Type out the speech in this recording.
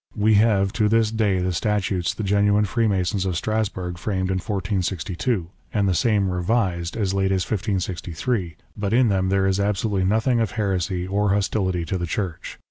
We have to this day the statutes the genuine Freemasons of Strasbourg framed in 1462, and the same revised as late as 1563, but in them there is absolutely nothing of heresy or hostility to the Church.